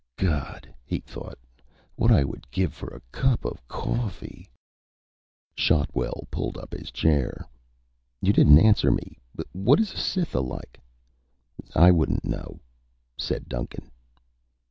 God, he thought, what I would give for a cup of coffee. Shotwell pulled up his chair. "You didn't answer me. What is a Cytha like?" "I wouldn't know," said Duncan.